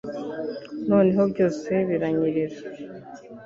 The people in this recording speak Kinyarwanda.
noneho byose biranyerera